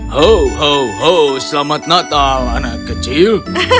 ho ho ho selamat natal anak kecil